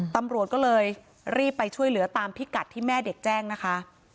ตำรวจก็เลยรีบไปช่วยเหลือตามพิกัดที่แม่เด็กแจ้งนะคะ